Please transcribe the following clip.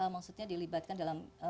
maksudnya dilibatkan dalam